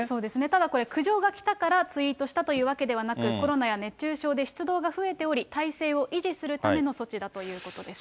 ただこれ、苦情が来たからツイートしたというわけではなく、コロナや熱中症で出動が増えており、体制を維持するための措置だということです。